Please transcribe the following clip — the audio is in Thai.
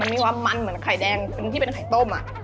มันนี่วะมันเหมือนไข่แดงที่เป็นไข่ต้มอ่ะ